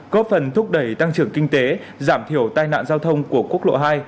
góp phần thúc đẩy tăng trưởng kinh tế giảm thiểu tai nạn giao thông của quốc lộ hai